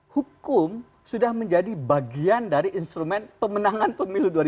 hukum sudah menjadi bagian dari instrumen pemenangan pemilu dua ribu dua puluh satu